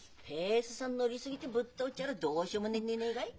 乗り過ぎてぶっ倒っちゃらどうしようもねえんでねえかい？